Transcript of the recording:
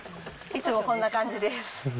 いつもこんな感じです。